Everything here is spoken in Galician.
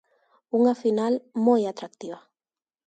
Unha final moi atractiva.